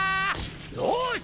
よし！